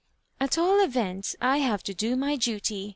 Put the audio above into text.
" At all events, I have to do my duty."